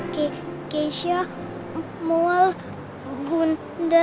k kasia m mual g gunda